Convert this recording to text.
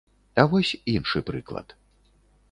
А вось іншы прыклад.